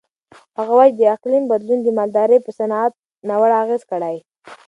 هغه وایي چې د اقلیم بدلون د مالدارۍ په صنعت ناوړه اغېز کړی.